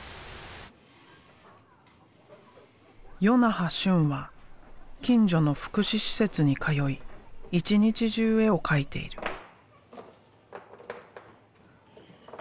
与那覇俊は近所の福祉施設に通い一日中絵を描いている。